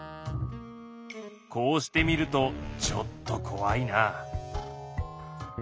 こうして見るとちょっとこわいな。